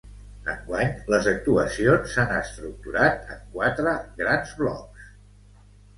Enguany, les actuacions s’han estructurat en quatre grans blocs.